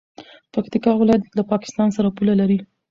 پکتیکا ولایت له پاکستان سره پوله لري.